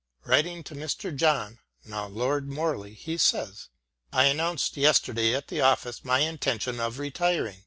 Writing to Mr. John (now Lord) Morley, he says : I announced yesterday at the office my intention of retiring.